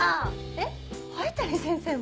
えっ灰谷先生も？